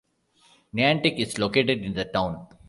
Niantic is located in the town.